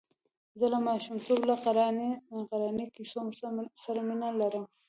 زه له ماشومتوبه له قراني کیسو سره مینه لرم.